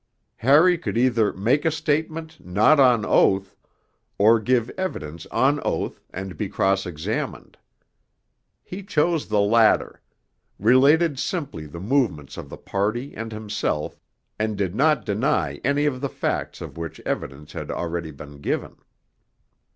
Harry could either 'make a statement' not on oath, or give evidence on oath and be cross examined. He chose the latter related simply the movements of the party and himself, and did not deny any of the facts of which evidence had already been given.